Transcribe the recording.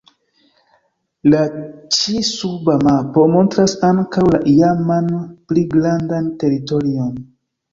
La ĉi-suba mapo montras ankoraŭ la iaman, pli grandan teritorion.